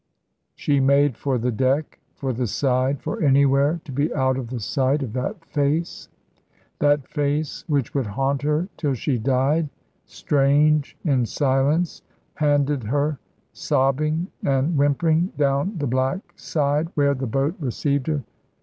She made for the deck for the side for anywhere, to be out of the sight of that face; that face which would haunt her till she died. Strange, in silence, handed her, sobbing and whimpering, down the black side, where the boat received her.